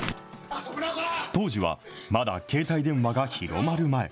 当時は、まだ携帯電話が広まる前。